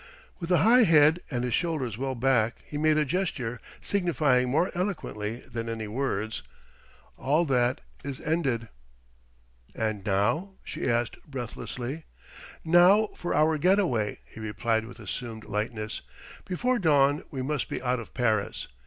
With a high head and his shoulders well back he made a gesture signifying more eloquently than any words: "All that is ended!" "And now...?" she asked breathlessly. "Now for our get away," he replied with assumed lightness. "Before dawn we must be out of Paris....